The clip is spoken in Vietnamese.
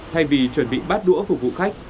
thay vì chuẩn bị bát đũa phục vụ khách